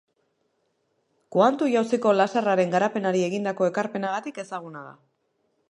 Kuantu-jauziko laserraren garapenari egindako ekarpenagatik ezaguna da.